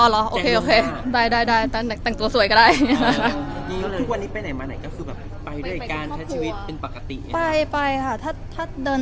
อ๋อล่ะโอเคแต่งตัวสวยก็ได้